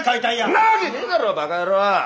んなわけねえだろバカ野郎！